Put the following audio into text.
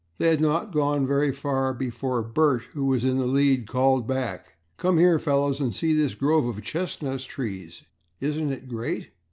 They had not gone very far before Bert, who was in the lead, called back, "Come here, fellows and see this grove of chestnut trees. Isn't it great?"